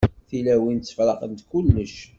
Tilawin ttefṛaqent kullec.